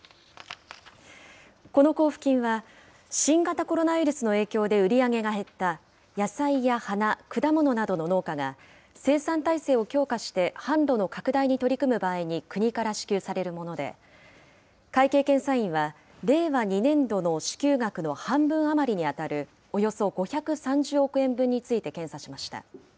この交付金は、新型コロナウイルスの影響で売り上げが減った野菜や花、果物などの農家が生産体制を強化して販路の拡大に取り組む場合に、国から支給されるもので、会計検査院は、令和２年度の支給額の半分余りに当たるおよそ５３０億円分について検査しました。